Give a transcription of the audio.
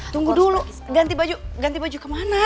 tunggu dulu ganti baju kemana